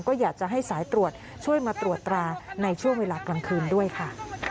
ก็อยากจะให้สายตรวจช่วยมาตรวจตราในช่วงเวลากลางคืนด้วยค่ะ